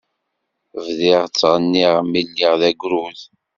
Bdiɣ ttɣenniɣ mi lliɣ d agrud.